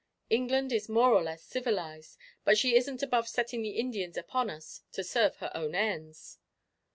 England is more or less civilised, but she isn't above setting the Indians upon us to serve her own ends."